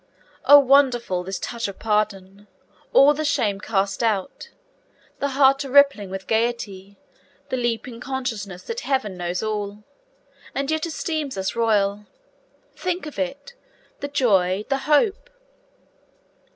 Oh, wonderful, This touch of pardon, all the shame cast out; The heart a ripple with the gaiety, The leaping consciousness that Heaven knows all, And yet esteems us royal. Think of it The joy, the hope!'